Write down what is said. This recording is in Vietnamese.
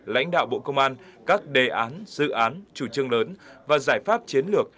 lãnh đạo bộ công an các đề án dự án chủ trương lớn và giải pháp chiến lược